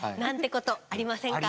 ことありませんか？